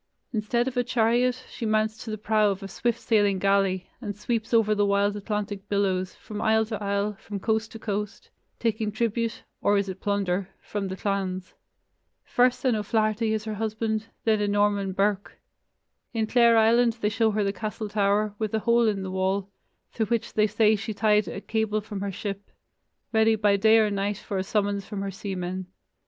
Instead of a chariot, she mounts to the prow of a swift sailing galley, and sweeps over the wild Atlantic billows, from isle to isle, from coast to coast, taking tribute (or is it plunder?) from the clans. First an O'Flaherty is her husband, then a Norman Burke. In Clare Island they show her castle tower, with a hole in the wall, through which they say she tied a cable from her ship, ready by day or night for a summons from her seamen.